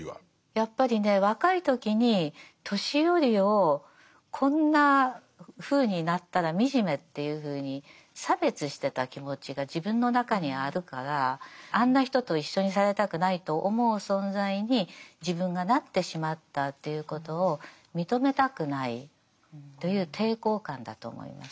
やっぱりね若い時に年寄りをこんなふうになったら惨めっていうふうに差別してた気持ちが自分の中にあるからあんな人と一緒にされたくないと思う存在に自分がなってしまったということを認めたくないという抵抗感だと思います。